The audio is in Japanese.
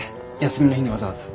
休みの日にわざわざ。